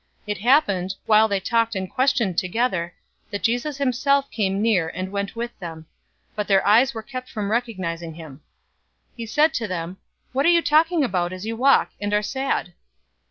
024:015 It happened, while they talked and questioned together, that Jesus himself came near, and went with them. 024:016 But their eyes were kept from recognizing him. 024:017 He said to them, "What are you talking about as you walk, and are sad?"